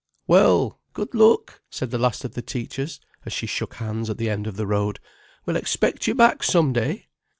"Well, good luck," said the last of the teachers, as she shook hands at the end of the road. "We'll expect you back some day."